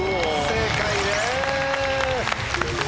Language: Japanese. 正解です。